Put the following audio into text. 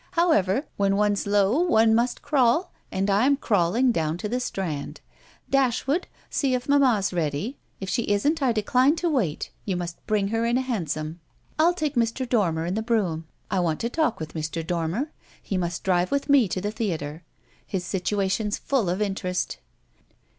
However, when one's low one must crawl, and I'm crawling down to the Strand. Dashwood, see if mamma's ready. If she isn't I decline to wait; you must bring her in a hansom. I'll take Mr. Dormer in the brougham; I want to talk with Mr. Dormer; he must drive with me to the theatre. His situation's full of interest."